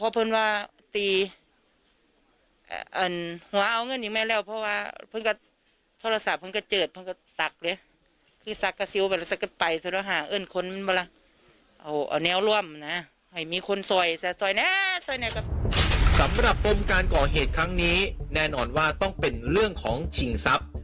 ซัมม์ประกอบการเกาะเหตุทั้งนี้แน่นอนว่าต้องเป็นเรื่องของเฉียงทรัพย์